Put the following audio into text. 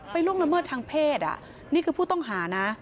ล่วงละเมิดทางเพศนี่คือผู้ต้องหานะ